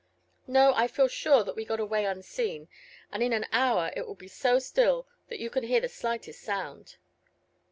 "No; I feel sure that we got away unseen, and in an hour it will be so still that you can hear the slightest sound."